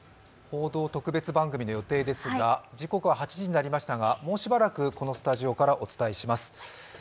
北朝鮮が発射したものとみられる時刻は８時になりましたがもうしばらくこのスタジオからお伝えします。